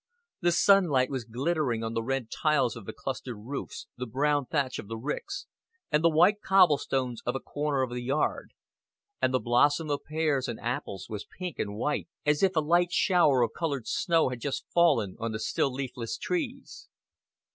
The sunlight was glittering on the red tiles of the clustered roofs, the brown thatch of the ricks, and the white cobblestones of a corner of the yard; and the blossom of pears and apples was pink and white, as if a light shower of colored snow had just fallen on the still leafless trees.